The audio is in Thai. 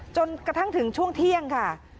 จนกระทั่งถึงช่วงเที่ยงค่ะ